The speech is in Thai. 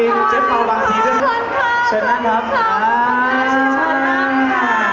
คนที่อบอุ่นจริงจริง